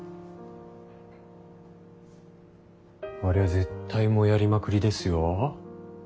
あれは絶対モヤりまくりですよ。